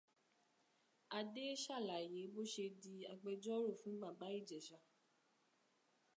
Adé ṣàlàyé bó ṣe di agbẹjọ́rò fún Bàbá Ìjẹ̀sà.